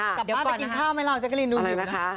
กลับบ้านไปกินข้าวไหมลอยจั๊กีรีนหนูค่ะ